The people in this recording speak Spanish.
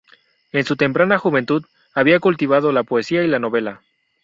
En su temprana juventud, había cultivado la poesía y la novela.